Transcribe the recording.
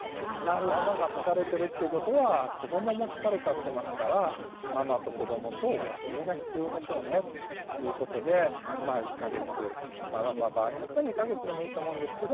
ママが疲れてるっていうことは子どもも疲れちゃってますからママと子どもとお休みが必要でしょうねということでまあ１か月場合によっては２か月でもいいと思うんですけど。